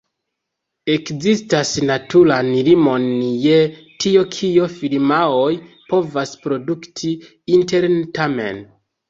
Ekzistas naturan limon je tio kio firmaoj povas produkti interne, tamen.